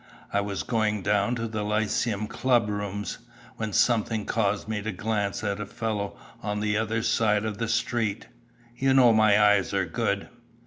I was going down to the Lyceum Club rooms, when something caused me to glance at a fellow on the other side of the street. You know my eyes are good!"